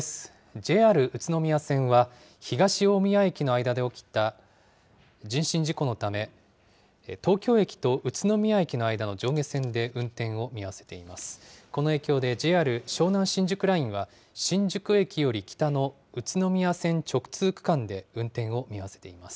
ＪＲ宇都宮線は、東大宮駅の間で起きた人身事故のため、東京駅と宇都宮駅の間の上下線で運転を見合わせています。